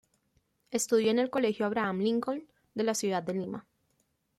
Estudió en el colegio Abraham Lincoln de la ciudad de Lima.